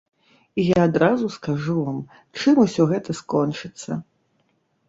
І я адразу скажу вам, чым усё гэта скончыцца.